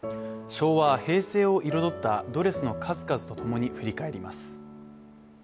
昭和、平成を彩ったドレスの数々とともに振り返ります。